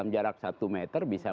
jarak satu meter bisa